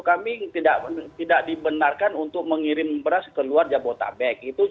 kami tidak dibenarkan untuk mengirim beras ke luar jabotabek